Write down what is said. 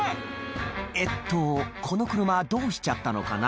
えっとこの車どうしちゃったのかな